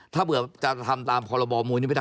ถ้าเผื่อจะทำตามพรบมวยนี้ไม่ได้